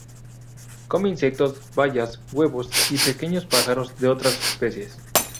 Come insectos, bayas, huevos y pequeños pájaros de otras especies.